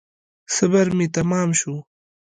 صبر مي تمام شو .